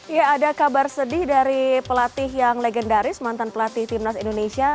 ya ada kabar sedih dari pelatih yang legendaris mantan pelatih timnas indonesia